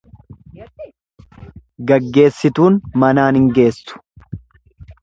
Gaggeessituun manaan hin geessu.